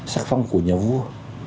sắc phong của nhà vua